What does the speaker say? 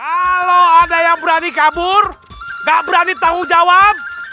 kalo ada yang berani kabur gak berani tanggung jawab